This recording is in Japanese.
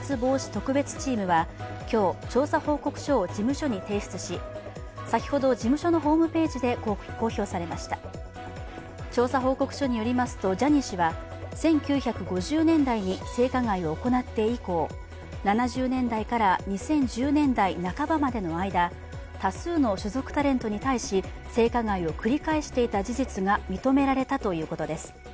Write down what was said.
特別チームは今日、調査報告書を事務所に提出し先ほど事務所のホームページで公表されました調査報告書によりますと、ジャニー氏は１９５０年代に性加害を行って以降７０年代から２０１０年代半ばまでの間、多数の所属タレントに対し性加害を繰り返していた事実が認められたということです。